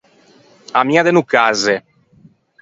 Ammia de no cazze.